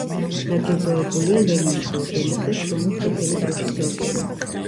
დაჯილდოებულია ლენინის ორდენით და შრომის წითელი დროშის ორდენით.